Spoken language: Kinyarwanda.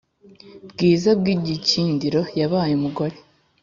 bwiza bw’igikindiro yabaye umugore